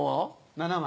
７枚。